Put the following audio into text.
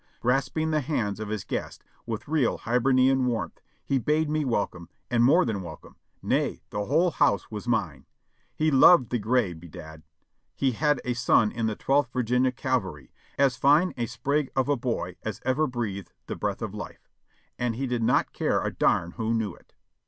Grasping the hands of his guest with real Hibernian warmth, he bade me welcome, and more than welcome; nay, the whole house was mine. He loved the gray, bedad ; he had a son in the Twelfth Virginia Cavalry, as fine a sprig of a boy as ever breathed the breath of life; and he did not care a darn who knew it.